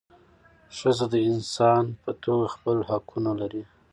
ښځه د انسان په توګه خپل حقونه لري.